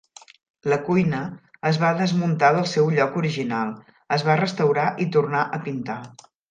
La cuina es va desmuntar del seu lloc original, es va restaurar i tornar a pintar.